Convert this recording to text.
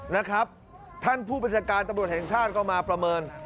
นะครับท่านผู้บัญชาการตำรวจแห่งชาติก็มาประเมิน